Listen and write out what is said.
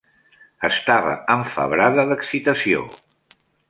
Estava enfebrada d'excitació.